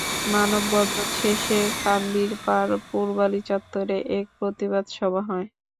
মানববন্ধন শেষে কান্দিরপাড় পূবালী চত্বরে এক প্রতিবাদ সভা হয়।